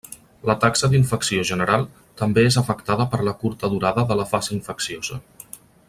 La taxa d'infecció general també és afectada per la curta durada de la fase infecciosa.